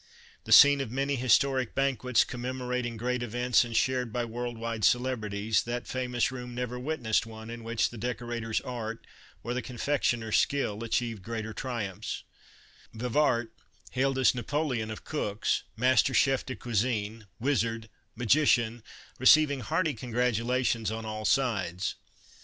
The scene of many his toric banquets, commemorating great events and shared by world wide celebrities, that famous room never witnessed one in which the decorator's art, or the confectioner's skill, achieved greater triumphs — Vivart, hailed as Napoleon of Cocks, Master Chef de Cuisine, Wizard, Magician, receiving hearty con gratulations on all sides.